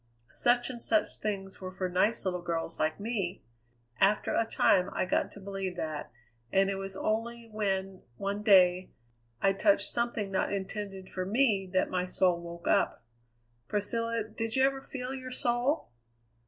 Such and such things were for nice little girls like me! After a time I got to believe that, and it was only when, one day, I touched something not intended for me that my soul woke up. Priscilla, did you ever feel your soul?"